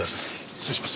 失礼します。